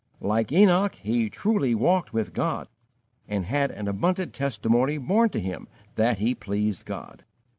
Like Enoch, he truly walked with God, and had abundant testimony borne to him that he pleased God.